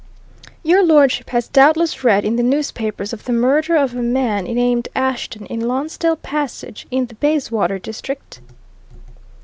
Your lordship has doubtless read in the newspapers of the murder of a man named Ashton in Lonsdale Passage, in the Bayswater district?"